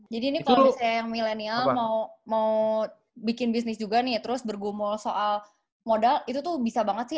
jadi ini kalau misalnya yang milenial mau bikin bisnis juga nih terus bergumul soal modal itu tuh bisa banget sih